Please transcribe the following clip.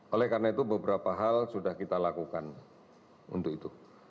oleh karena itu beberapa hal sudah kita lakukan untuk itu